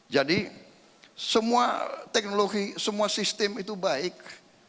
jadi semua teknologi semua sistem itu baik